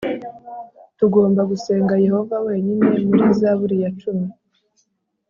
Tugomba gusenga yehova wenyine muri zaburi ya cumi